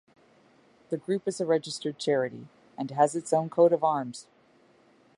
The group is a registered charity, and has its own coat of arms.